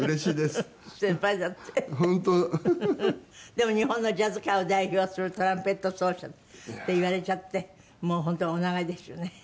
でも日本のジャズ界を代表するトランペット奏者って言われちゃってもう本当にお長いですよね。